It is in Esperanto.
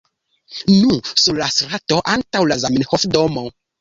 Nu, sur la strato antaŭ la Zamenhofa domo